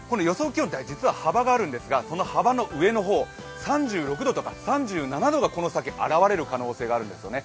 気温には実は幅があるんですがその幅の上の方、３６度とか３７度がこの先現れる可能性があるんですね。